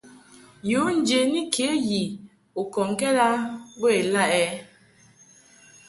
Yu njeni ke yi u kɔŋkɛd a bə ilaʼɛ ?